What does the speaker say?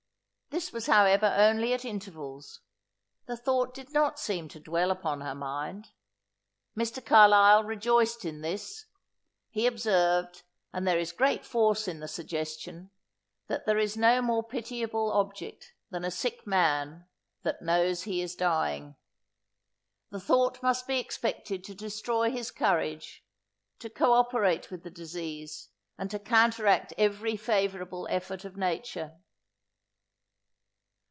This was however only at intervals; the thought did not seem to dwell upon her mind. Mr. Carlisle rejoiced in this. He observed, and there is great force in the suggestion, that there is no more pitiable object, than a sick man, that knows he is dying. The thought must be expected to destroy his courage, to co operate with the disease, and to counteract every favourable effort of nature.